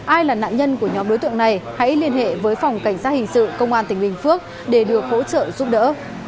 ai là nạn nhân của nhóm đối tượng này hãy liên hệ với phòng cảnh sát hình sự công an tỉnh bình phước để được hỗ trợ giúp đỡ